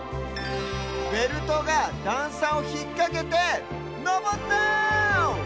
ベルトがだんさをひっかけてのぼった！